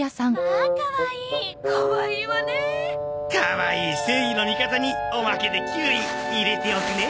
かわいい正義の味方におまけでキウイ入れておくね。